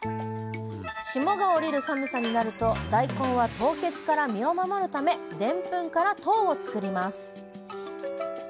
霜が降りる寒さになると大根は凍結から身を守るためでんぷんから糖を作ります。